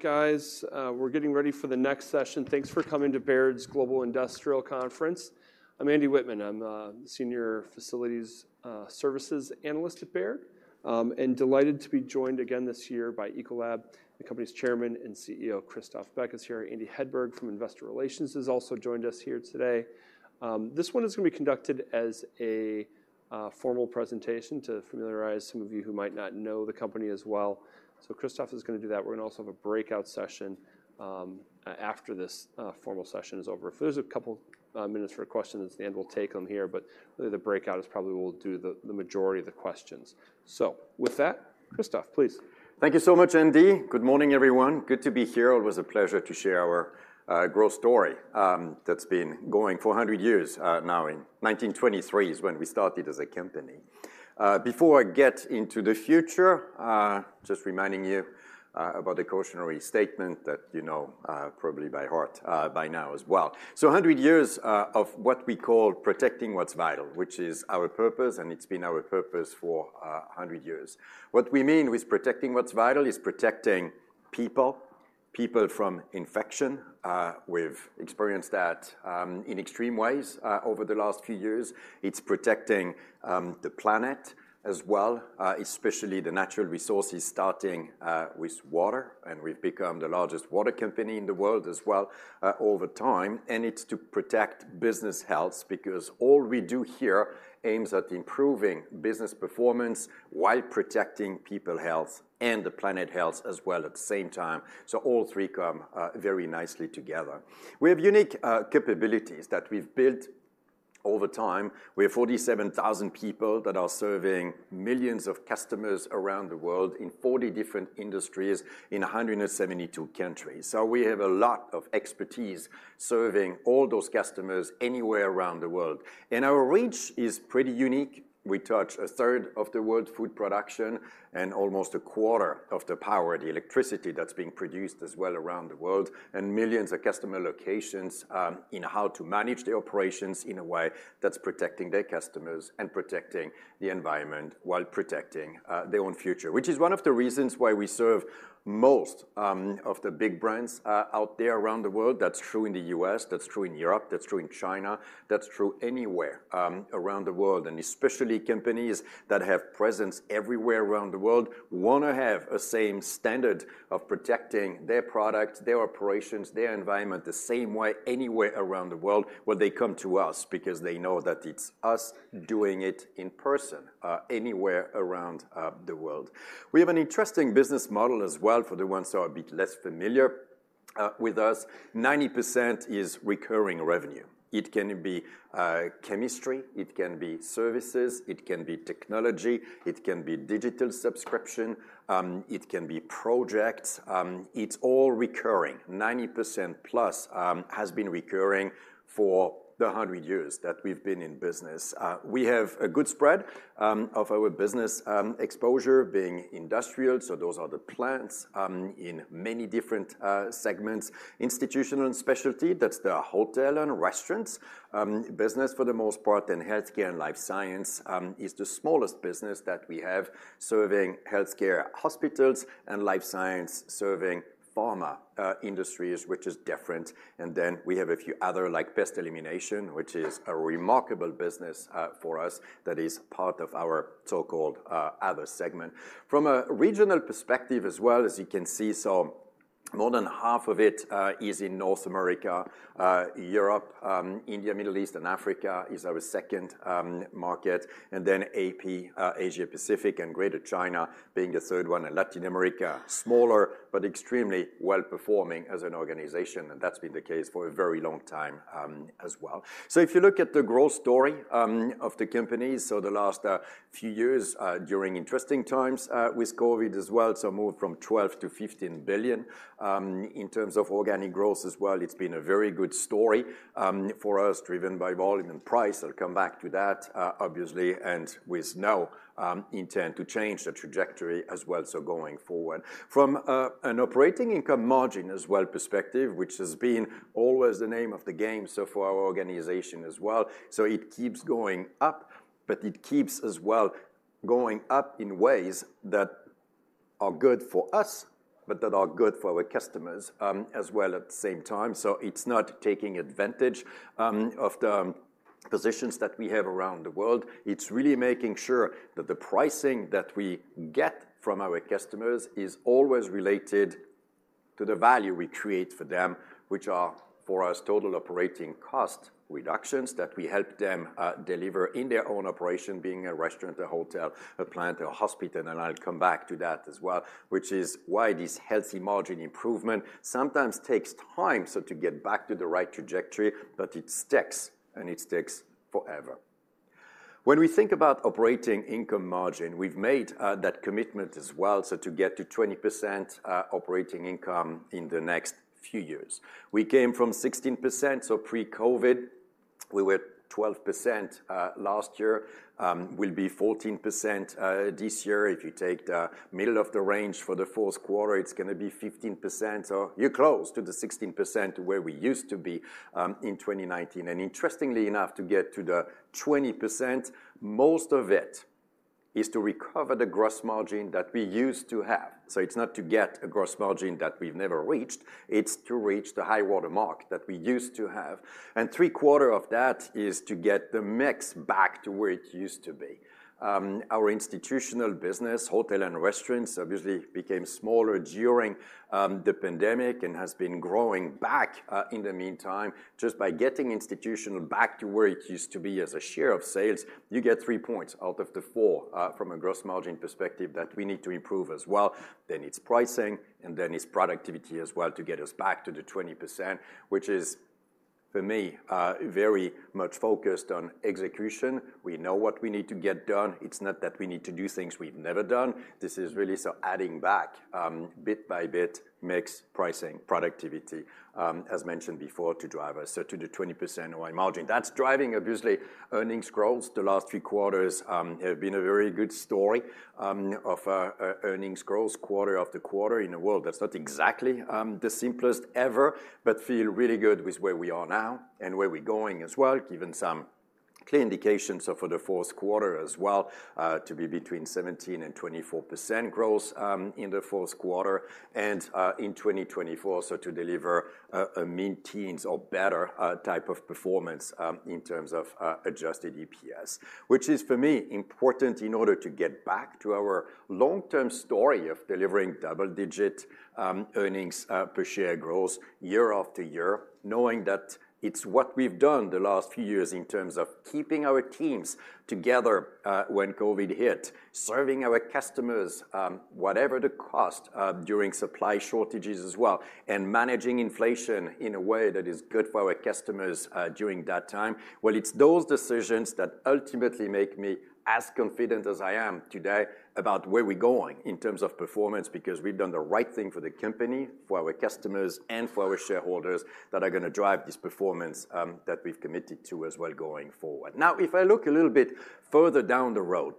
Guys, we're getting ready for the next session. Thanks for coming to Baird's Global Industrial Conference. I'm Andy Wittmann. I'm the Senior Facilities Services Analyst at Baird, and delighted to be joined again this year by Ecolab. The company's Chairman and CEO, Christophe Beck, is here. Andy Hedberg from Investor Relations has also joined us here today. This one is gonna be conducted as a formal presentation to familiarize some of you who might not know the company as well. So Christophe is gonna do that. We're gonna also have a breakout session after this formal session is over. If there's a couple minutes for questions at the end, we'll take them here, but really, the breakout is probably we'll do the majority of the questions. So with that, Christophe, please. Thank you so much, Andy. Good morning, everyone. Good to be here. It was a pleasure to share our growth story that's been going for 100 years now. In 1923 is when we started as a company. Before I get into the future, just reminding you about the cautionary statement that, you know, probably by heart by now as well. So 100 years of what we call protecting what's vital, which is our purpose, and it's been our purpose for 100 years. What we mean with protecting what's vital is protecting people, people from infection. We've experienced that in extreme ways over the last few years. It's protecting the planet as well, especially the natural resources, starting with water, and we've become the largest water company in the world as well, over time and it's to protect business health, because all we do here aims at improving business performance while protecting people health and the planet health as well at the same time. So all three come very nicely together. We have unique capabilities that we've built over time. We have 47,000 people that are serving millions of customers around the world in 40 different industries in 172 countries. So we have a lot of expertise serving all those customers anywhere around the world. Our reach is pretty unique. We touch a third of the world food production and almost a quarter of the power, the electricity that's being produced as well around the world, and millions of customer locations, in how to manage the operations in a way that's protecting their customers and protecting the environment while protecting, their own future. Which is one of the reasons why we serve most, of the big brands, out there around the world. That's true in the U.S., that's true in Europe, that's true in China, that's true anywhere, around the world and especially companies that have presence everywhere around the world wanna have a same standard of protecting their product, their operations, their environment, the same way anywhere around the world, well, they come to us because they know that it's us doing it in person, anywhere around, the world. We have an interesting business model as well, for the ones who are a bit less familiar with us. 90% is recurring revenue. It can be chemistry, it can be services, it can be technology, it can be digital subscription, it can be projects, it's all recurring. 90%+ has been recurring for the 100 years that we've been in business. We have a good spread of our business exposure being industrial, so those are the plants in many different segments. Institutional and Specialty, that's the hotel and restaurants business for the most part, and healthcare and Life Sciences is the smallest business that we have, serving healthcare, hospitals, and Life Sciences, serving pharma industries, which is different. Then we have a few other, like pest elimination, which is a remarkable business, for us, that is part of our so-called Other segment. From a regional perspective as well, as you can see, so more than half of it is in North America. Europe, India, Middle East, and Africa is our second market, and then AP, Asia Pacific and Greater China being the third one, and Latin America, smaller, but extremely well-performing as an organization, and that's been the case for a very long time, as well. So if you look at the growth story of the company, so the last few years, during interesting times, with COVID as well, so moved from $12 billion-$15 billion. In terms of organic growth as well, it's been a very good story, for us, driven by volume and price. I'll come back to that, obviously, and with no, intent to change the trajectory as well, so going forward. From, an operating income margin as well perspective, which has been always the name of the game, so for our organization as well. So it keeps going up, but it keeps as well, going up in ways that are good for us, but that are good for our customers, as well at the same time. So it's not taking advantage, of the positions that we have around the world. It's really making sure that the pricing that we get from our customers is always related to the value we create for them, which are, for us, total operating cost reductions that we help them deliver in their own operation, being a restaurant, a hotel, a plant, a hospital, and I'll come back to that as well, which is why this healthy margin improvement sometimes takes time, so to get back to the right trajectory, but it sticks, and it sticks forever. When we think about operating income margin, we've made that commitment as well, so to get to 20% operating income in the next few years. We came from 16%, so pre-COVID, we were 12% last year we'll be 14% this year. If you take the middle of the range for the fourth quarter, it's gonna be 15%, so you're close to the 16% where we used to be, in 2019 and interestingly enough, to get to the 20%, most of it is to recover the gross margin that we used to have. So it's not to get a gross margin that we've never reached, it's to reach the high water mark that we used to have and three-quarters of that is to get the mix back to where it used to be. Our institutional business, hotel and restaurants, obviously became smaller during the pandemic, and has been growing back, in the meantime. Just by getting institutional back to where it used to be as a share of sales, you get three points out of the four, from a gross margin perspective that we need to improve as well. Then it's pricing, and then it's productivity as well to get us back to the 20%, which is, for me, very much focused on execution. We know what we need to get done. It's not that we need to do things we've never done. This is really so adding back, bit by bit, mix, pricing, productivity, as mentioned before, to drive us. So to the 20% OI margin. That's driving, obviously, earnings growth. The last three quarters have been a very good story of earnings growth, quarter-after-quarter in a world that's not exactly the simplest ever, but feel really good with where we are now and where we're going as well. Given some clear indications for the fourth quarter as well, to be between 17% and 24% growth in the fourth quarter and in 2024. So to deliver a mid-teens or better type of performance in terms of Adjusted EPS. Which is, for me, important in order to get back to our long-term story of delivering double-digit earnings per share growth year-after-year, knowing that it's what we've done the last few years in terms of keeping our teams together, when COVID hit, serving our customers, whatever the cost, during supply shortages as well, and managing inflation in a way that is good for our customers, during that time. Well, it's those decisions that ultimately make me as confident as I am today about where we're going in terms of performance, because we've done the right thing for the company, for our customers, and for our shareholders, that are gonna drive this performance that we've committed to as well going forward. Now, if I look a little bit further down the road,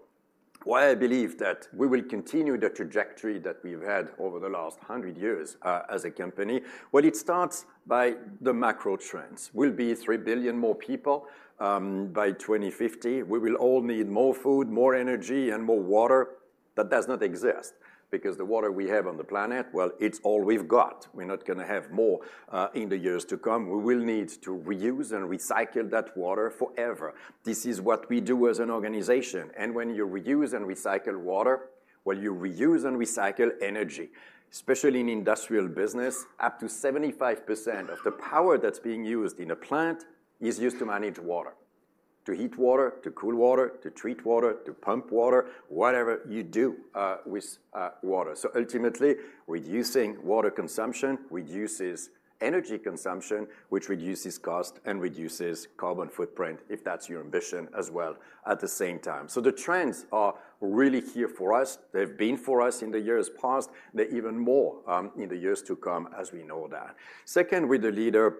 why I believe that we will continue the trajectory that we've had over the last 100 years, as a company. Well, it starts by the macro trends. We'll be 3 billion more people, by 2050. We will all need more food, more energy, and more water. That does not exist, because the water we have on the planet, well, it's all we've got. We're not gonna have more, in the years to come. We will need to reuse and recycle that water forever. This is what we do as an organization, and when you reuse and recycle water, well, you reuse and recycle energy. Especially in industrial business, up to 75% of the power that's being used in a plant is used to manage water: to heat water, to cool water, to treat water, to pump water, whatever you do with water. So ultimately, reducing water consumption reduces energy consumption, which reduces cost and reduces carbon footprint, if that's your ambition as well, at the same time. So the trends are really here for us. They've been for us in the years past, they're even more in the years to come, as we know that. Second, we're the leader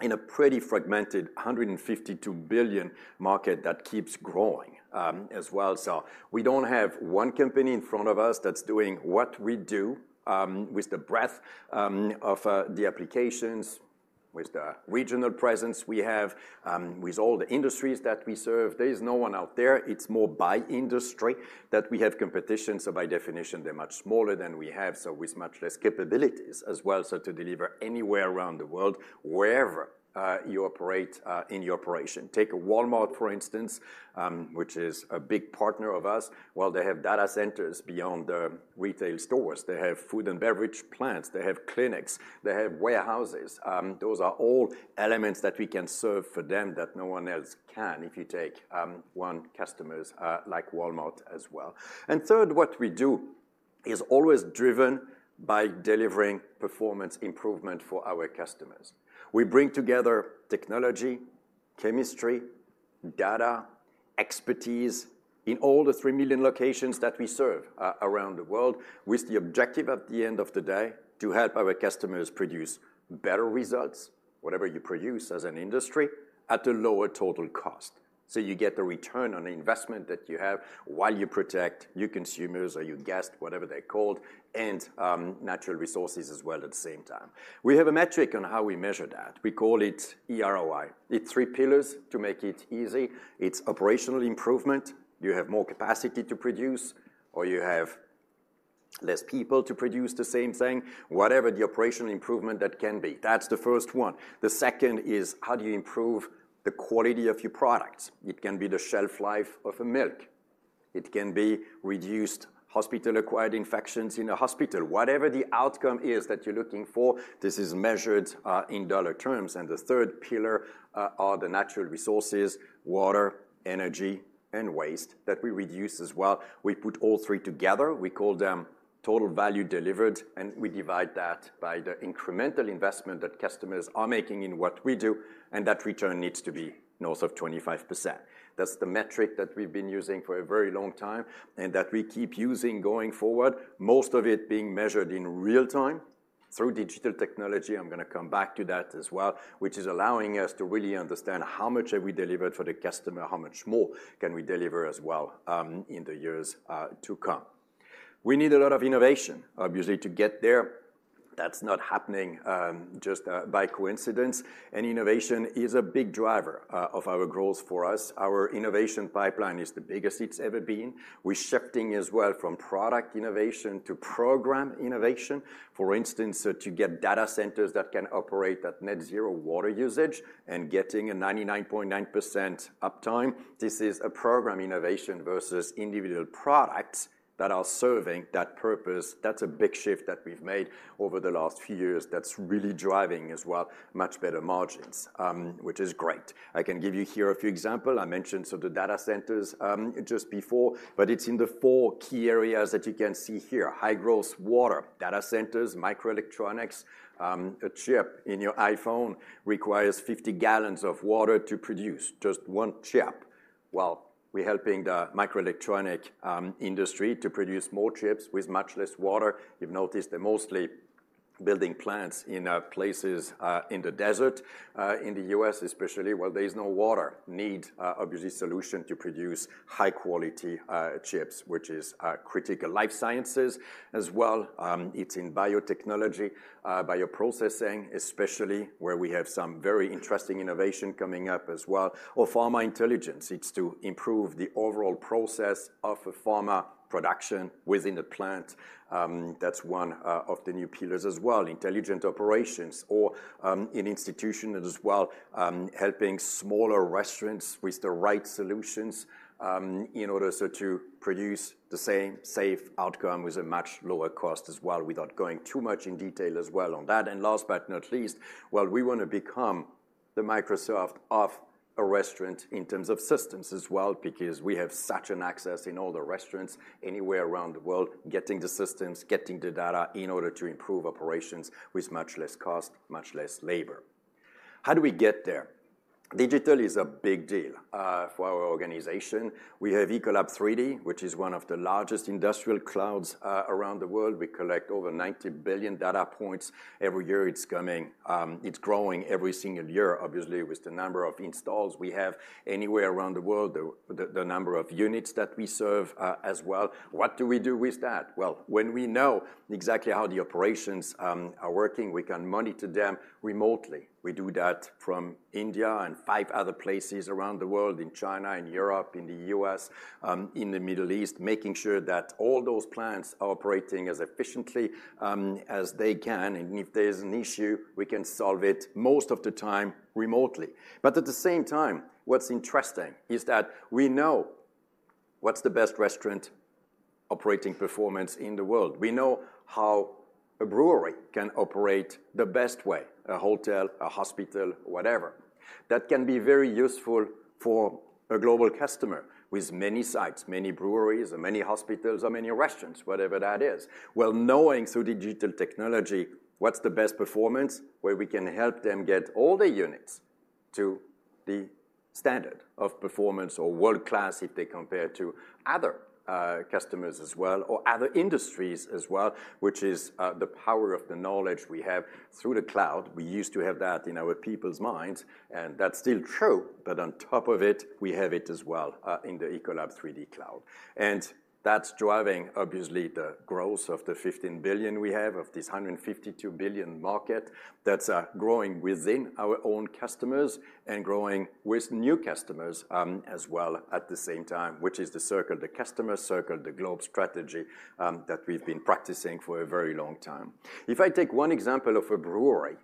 in a pretty fragmented, $152 billion market that keeps growing as well. So we don't have one company in front of us that's doing what we do, with the breadth of the applications, with the regional presence we have, with all the industries that we serve. There is no one out there. It's more by industry that we have competition, so by definition, they're much smaller than we have, so with much less capabilities as well. So to deliver anywhere around the world, wherever you operate in your operation. Take Walmart, for instance, which is a big partner of us. Well, they have data centers beyond the retail stores. They have food and beverage plants, they have clinics, they have warehouses. Those are all elements that we can serve for them that no one else can, if you take one customers like Walmart as well. Third, what we do is always driven by delivering performance improvement for our customers. We bring together technology, chemistry, data, expertise in all the 3 million locations that we serve around the world, with the objective, at the end of the day, to help our customers produce better results, whatever you produce as an industry, at a lower total cost. So you get the return on investment that you have while you protect your consumers or your guests, whatever they're called, and natural resources as well at the same time. We have a metric on how we measure that. We call it eROI. It's three pillars to make it easy. It's operational improvement. You have more capacity to produce, or you have less people to produce the same thing, whatever the operational improvement that can be. That's the first one. The second is, how do you improve the quality of your products? It can be the shelf life of a milk, it can be reduced hospital-acquired infections in a hospital. Whatever the outcome is that you're looking for, this is measured in dollar terms and the third pillar are the natural resources: water, energy, and waste that we reduce as well. We put all three together, we call them Total Value Delivered, and we divide that by the incremental investment that customers are making in what we do, and that return needs to be north of 25%. That's the metric that we've been using for a very long time, and that we keep using going forward, most of it being measured in real time through digital technology. I'm gonna come back to that as well, which is allowing us to really understand how much have we delivered for the customer, how much more can we deliver as well, in the years to come. We need a lot of innovation, obviously, to get there. That's not happening just by coincidence, and innovation is a big driver of our growth for us. Our innovation pipeline is the biggest it's ever been. We're shifting as well from product innovation to program innovation. For instance, so to get data centers that can operate at net zero water usage and getting a 99.9% uptime, this is a program innovation versus individual products that are serving that purpose. That's a big shift that we've made over the last few years that's really driving as well, much better margins, which is great. I can give you here a few examples. I mentioned, so the data centers, just before, but it's in the four key areas that you can see here. High-growth water, data centers, microelectronics. A chip in your iPhone requires 50 gallons of water to produce just one chip. Well, we're helping the microelectronic industry to produce more chips with much less water. You've noticed they're mostly building plants in places in the desert in the U.S. especially, where there is no water. Need obviously solution to produce high-quality chips, which is critical. Life sciences as well, it's in biotechnology, bioprocessing, especially, where we have some very interesting innovation coming up as well, or pharma intelligence. It's to improve the overall process of a pharma production within a plant. That's one of the new pillars as well, intelligent operations or institutional as well, helping smaller restaurants with the right solutions in order so to produce the same safe outcome with a much lower cost as well, without going too much in detail as well on that. Last but not least, well, we wanna become the Microsoft of a restaurant in terms of systems as well, because we have such an access in all the restaurants anywhere around the world, getting the systems, getting the data in order to improve operations with much less cost, much less labor. How do we get there? Digital is a big deal for our organization. We have Ecolab3D, which is one of the largest industrial clouds around the world. We collect over 90 billion data points every year. It's coming. It's growing every single year, obviously, with the number of installs we have anywhere around the world, the number of units that we serve, as well. What do we do with that? Well, when we know exactly how the operations are working, we can monitor them remotely. We do that from India and five other places around the world, in China, in Europe, in the U.S., in the Middle East, making sure that all those plants are operating as efficiently as they can, and if there's an issue, we can solve it most of the time remotely. But at the same time, what's interesting is that we know what's the best restaurant operating performance in the world. We know how a brewery can operate the best way, a hotel, a hospital, whatever. That can be very useful for a global customer with many sites, many breweries or many hospitals or many restaurants, whatever that is. Well, knowing through digital technology what's the best performance, where we can help them get all the units to the standard of performance or world-class if they compare to other, customers as well, or other industries as well, which is, the power of the knowledge we have through the cloud. We used to have that in our people's minds, and that's still true, but on top of it, we have it as well, in the Ecolab3D cloud. That's driving obviously the growth of the $15 billion we have, of this $152 billion market that's growing within our own customers and growing with new customers, as well at the same time, which is the circle, the customer circle, the globe strategy, that we've been practicing for a very long time. If I take one example of a brewery,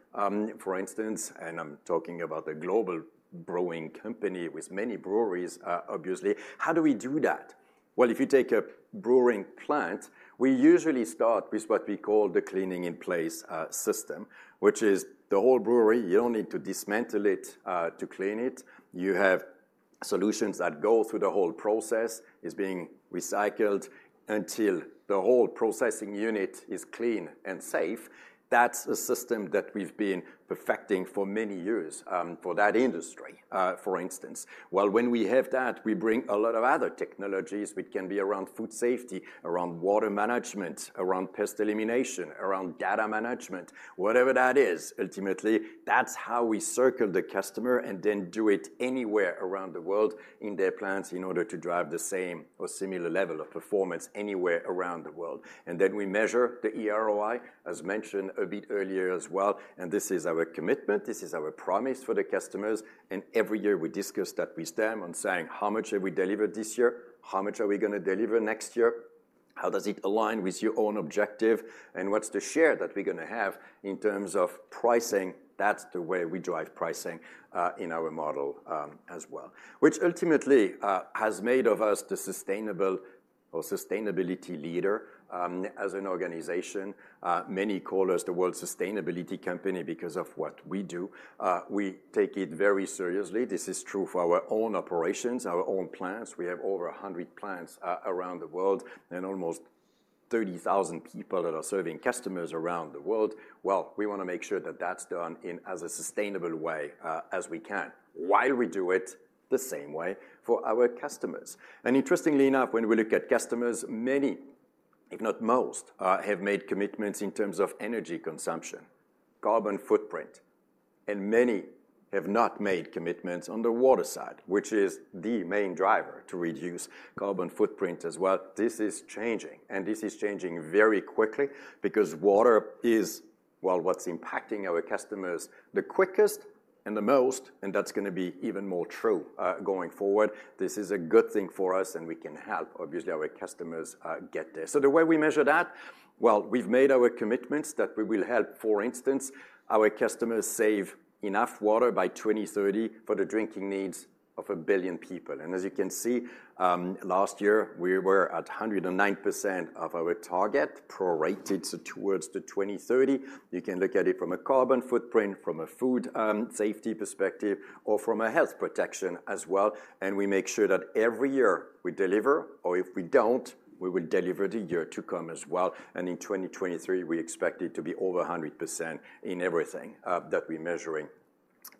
for instance, and I'm talking about a global brewing company with many breweries, obviously, how do we do that? Well, if you take a brewing plant, we usually start with what we call the Cleaning in Place system, which is the whole brewery. You don't need to dismantle it to clean it. You have solutions that go through the whole process. It's being recycled until the whole processing unit is clean and safe. That's a system that we've been perfecting for many years, for that industry, for instance. Well, when we have that, we bring a lot of other technologies which can be around food safety, around water management, around pest elimination, around data management, whatever that is. Ultimately, that's how we circle the customer and then do it anywhere around the world in their plants, in order to drive the same or similar level of performance anywhere around the world. Then we measure the eROI, as mentioned a bit earlier as well, and this is our commitment. This is our promise for the customers, and every year we discuss that with them on saying: How much have we delivered this year? How much are we gonna deliver next year? How does it align with your own objective, and what's the share that we're gonna have in terms of pricing? That's the way we drive pricing in our model as well, which ultimately has made of us the sustainable or sustainability leader as an organization. Many call us the world sustainability company because of what we do. We take it very seriously. This is true for our own operations, our own plants. We have over 100 plants around the world and almost 30,000 people that are serving customers around the world. Well, we wanna make sure that that's done in as a sustainable way as we can while we do it the same way for our customers. Interestingly enough, when we look at customers, many, if not most, have made commitments in terms of energy consumption, carbon footprint, and many have not made commitments on the water side, which is the main driver to reduce carbon footprint as well. This is changing, and this is changing very quickly because water is, well, what's impacting our customers the quickest and the most, and that's gonna be even more true going forward. This is a good thing for us, and we can help, obviously, our customers get there. So the way we measure that, well, we've made our commitments that we will help, for instance, our customers save enough water by 2030 for the drinking needs of 1 billion people. As you can see, last year, we were at 109% of our target, prorated, so towards the 2030. You can look at it from a carbon footprint, from a food safety perspective, or from a health protection as well, and we make sure that every year we deliver, or if we don't, we will deliver the year to come as well. In 2023, we expect it to be over 100% in everything that we're measuring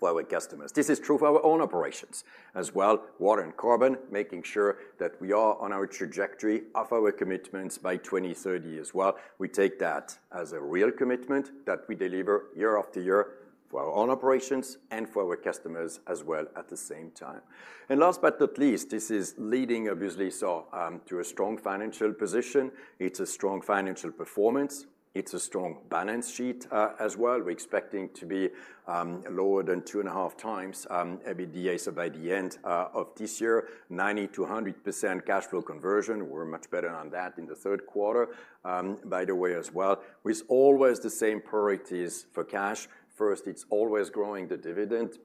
for our customers. This is true for our own operations as well, water and carbon, making sure that we are on our trajectory of our commitments by 2030 as well. We take that as a real commitment that we deliver year after year for our own operations and for our customers as well at the same time. Last but not least, this is leading obviously, so to a strong financial position. It's a strong financial performance. It's a strong balance sheet as well. We're expecting to be lower than 2.5x EBITDA, so by the end of this year, 90%-100% cash flow conversion. We're much better on that in the third quarter, by the way, as well, with always the same priorities for cash. First, it's always growing the dividend,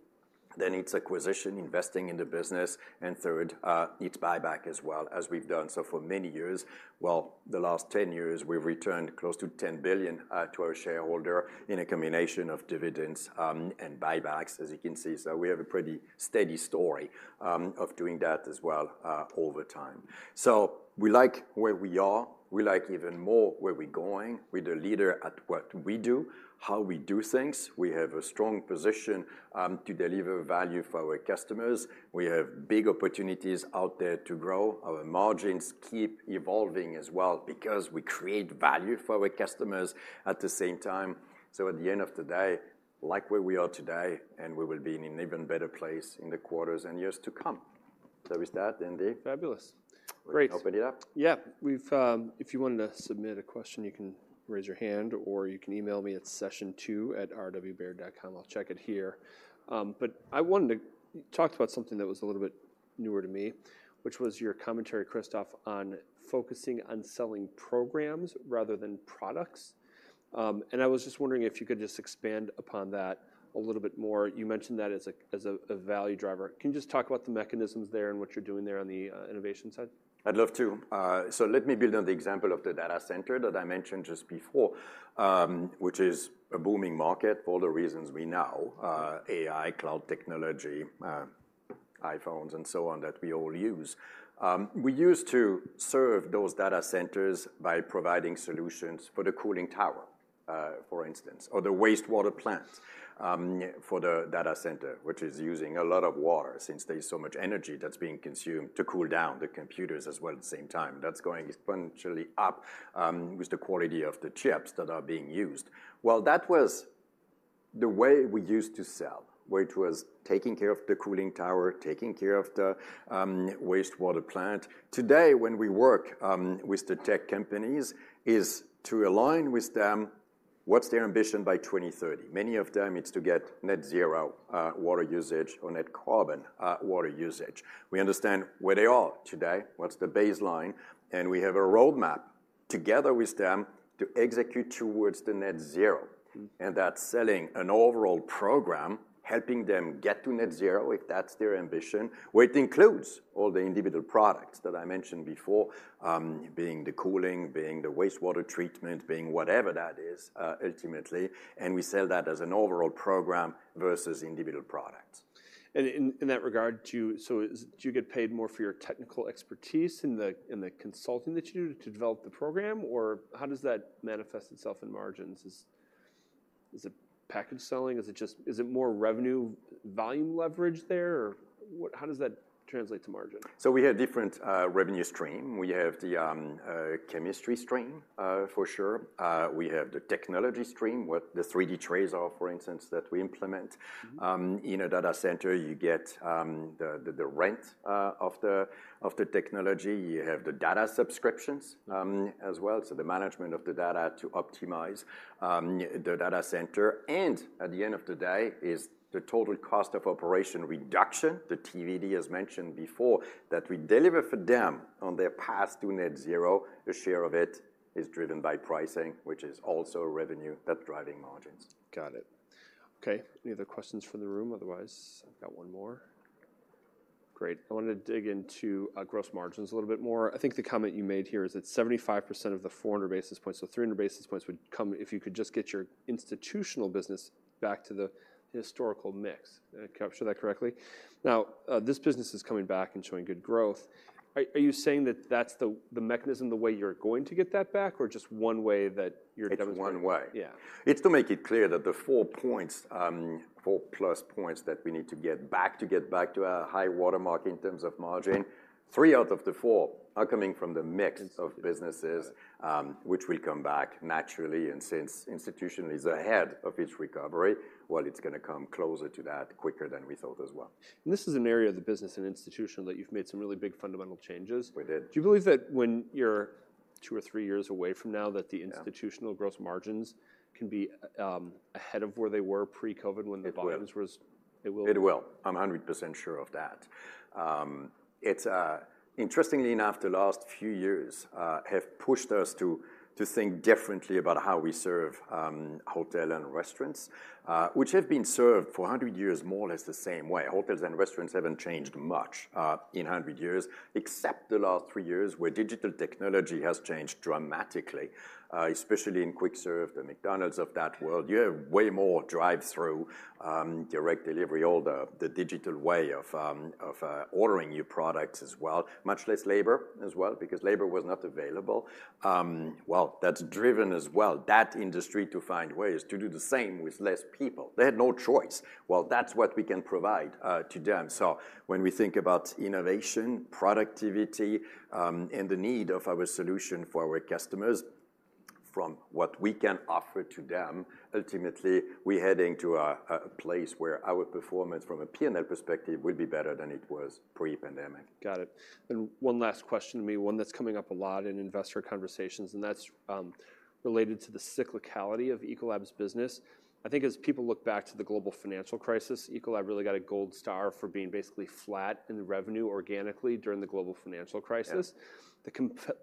then it's acquisition, investing in the business, and third, it's buyback as well as we've done so for many years. Well, the last 10 years, we've returned close to $10 billion to our shareholder in a combination of dividends and buybacks, as you can see. So we have a pretty steady story of doing that as well over time. So we like where we are. We like even more where we're going. We're the leader at what we do, how we do things. We have a strong position to deliver value for our customers. We have big opportunities out there to grow. Our margins keep evolving as well because we create value for our customers at the same time. So at the end of the day, like where we are today, and we will be in an even better place in the quarters and years to come. So with that, Andy? Fabulous. Great. Open it up. Yeah. If you wanted to submit a question, you can raise your hand, or you can email me at sessiontwo@rwbaird.com. I'll check it here. But I wanted to talk about something that was a little bit newer to me, which was your commentary, Christophe, on focusing on selling programs rather than products. I was just wondering if you could just expand upon that a little bit more. You mentioned that as a value driver. Can you just talk about the mechanisms there and what you're doing there on the innovation side? I'd love to. So let me build on the example of the data center that I mentioned just before, which is a booming market for all the reasons we know, AI, cloud technology, iPhones, and so on, that we all use. We used to serve those data centers by providing solutions for the cooling tower, for instance, or the wastewater plant, for the data center, which is using a lot of water since there's so much energy that's being consumed to cool down the computers as well at the same time. That's going exponentially up, with the quality of the chips that are being used. Well, that was the way we used to sell, where it was taking care of the cooling tower, taking care of the wastewater plant. Today, when we work with the tech companies, is to align with them what's their ambition by 2030. Many of them, it's to get net zero water usage or net carbon water usage. We understand where they are today, what's the baseline, and we have a roadmap together with them to execute towards the net zero. That's selling an overall program, helping them get to net zero, if that's their ambition, where it includes all the individual products that I mentioned before, being the cooling, being the wastewater treatment, being whatever that is, ultimately, and we sell that as an overall program versus individual products. In that regard, too, so do you get paid more for your technical expertise in the consulting that you do to develop the program, or how does that manifest itself in margins? Is it package selling? Is it just? Is it more revenue volume leverage there, or what? How does that translate to margin? So we have different revenue stream. We have the chemistry stream, for sure. We have the technology stream, what the 3D TRASAR is, for instance, that we implement. In a data center, you get the rent of the technology. You have the data subscriptions as well, so the management of the data to optimize the data center. At the end of the day is the total cost of operation reduction, the TVD, as mentioned before, that we deliver for them on their path to net zero. A share of it is driven by pricing, which is also revenue that driving margins. Got it. Okay, any other questions from the room? Otherwise, I've got one more. Great. I wanted to dig into gross margins a little bit more. I think the comment you made here is that 75% of the 400 basis points, so 300 basis points would come if you could just get your institutional business back to the historical mix. Did I capture that correctly? Now, this business is coming back and showing good growth. Are you saying that that's the mechanism, the way you're going to get that back, or just one way that you're demonstrating- It's one way. Yeah. It's to make it clear that the four points, 4+ points that we need to get back to get back to our high-water mark in terms of margin, three out of the four are coming from the mix of businesses which will come back naturally and since institutional is ahead of its recovery, well, it's gonna come closer to that quicker than we thought as well. This is an area of the business and institutional that you've made some really big fundamental changes. We did. Do you believe that when you're two or three years away from now, that the institutional gross margins can be ahead of where they were pre-COVID, when the- It will. Volumes was-- It will? It will. I'm 100% sure of that. It's interestingly enough, the last few years have pushed us to think differently about how we serve hotel and restaurants, which have been served for 100 years, more or less the same way. Hotels and restaurants haven't changed much in 100 years, except the last three years, where digital technology has changed dramatically, especially in quick serve, the McDonald's of that world. You have way more drive-through direct delivery, all the digital way of ordering new products as well. Much less labor as well, because labor was not available. Well, that's driven as well, that industry to find ways to do the same with less people. They had no choice. Well, that's what we can provide to them. So when we think about innovation, productivity, and the need of our solution for our customers, from what we can offer to them, ultimately, we're heading to a place where our performance from a P&L perspective will be better than it was pre-pandemic. Got it. One last question to me, one that's coming up a lot in investor conversations, and that's related to the cyclicality of Ecolab's business. I think as people look back to the global financial crisis, Ecolab really got a gold star for being basically flat in revenue organically during the global financial crisis. Yeah.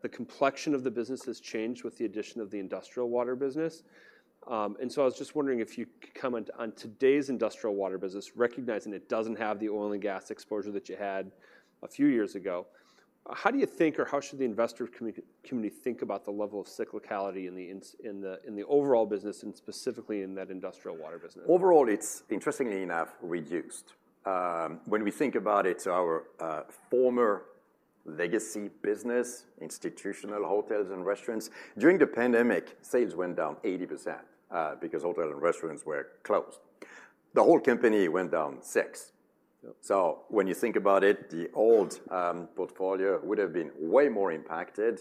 The complexion of the business has changed with the addition of the industrial water business. So I was just wondering if you could comment on today's industrial water business, recognizing it doesn't have the oil and gas exposure that you had a few years ago. How do you think or how should the investor community think about the level of cyclicality in the overall business, and specifically in that industrial water business? Overall, it's interestingly enough, reduced. When we think about it, our former legacy business, institutional hotels and restaurants, during the pandemic, sales went down 80%, because hotels and restaurants were closed. The whole company went down 6%. Yeah. So when you think about it, the old portfolio would have been way more impacted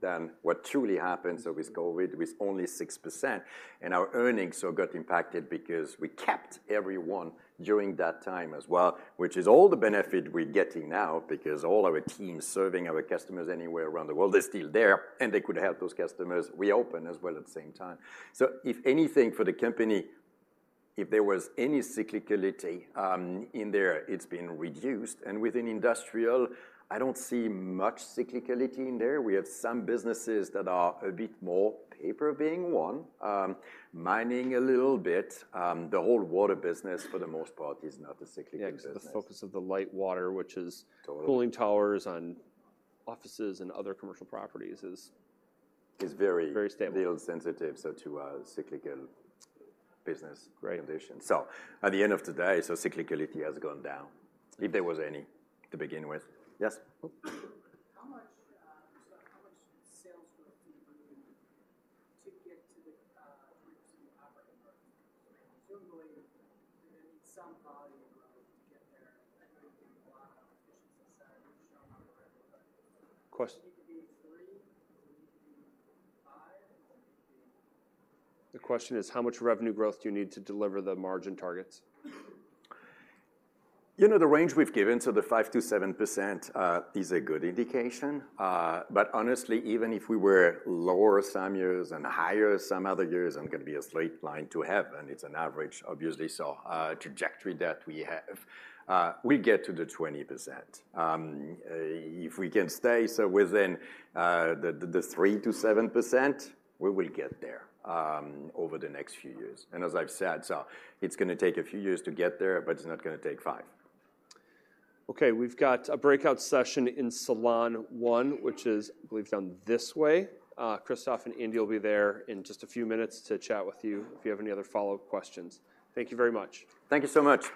than what truly happened. So with COVID, with only 6%, and our earnings so got impacted because we kept everyone during that time as well, which is all the benefit we're getting now, because all our team serving our customers anywhere around the world, they're still there, and they could help those customers reopen as well at the same time. So if anything, for the company, if there was any cyclicality in there, it's been reduced, and within industrial, I don't see much cyclicality in there. We have some businesses that are a bit more, paper being one, mining a little bit. The whole water business, for the most part, is not a cyclical business. Yeah, the focus of the light water, which is- Totally ...cooling towers on offices and other commercial properties is- Is very- Very stable real sensitive, so to a cyclical business Great - condition. So at the end of the day, so cyclicality has gone down, if there was any to begin with. Yes? How much, so how much sales growth do you need to get to the operating profit? Presumably, you're gonna need some volume growth to get there. I know you did a lot of efficiency savings showing on revenue, but- Of course. It need to be three, or it need to be five, or it need to be- The question is: How much revenue growth do you need to deliver the margin targets? You know, the range we've given, so the 5%-7% is a good indication. But honestly, even if we were lower some years and higher some other years, and gonna be a straight line to heaven, it's an average, obviously. So, trajectory that we have, we get to the 20%. If we can stay so within, the 3%-7%, we will get there, over the next few years. As I've said, so it's gonna take a few years to get there, but it's not gonna take five. Okay, we've got a breakout session in Salon One, which is, I believe, down this way. Christophe and Andy will be there in just a few minutes to chat with you if you have any other follow-up questions. Thank you very much. Thank you so much.